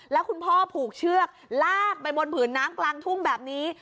แล้วคุณพ่อผูกเชือกลากไปบนผืนน้ำกลางทุ่งแบบนี้